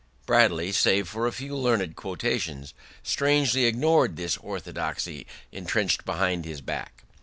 Bradley, save for a few learned quotations, strangely ignored this orthodoxy entrenched behind his back.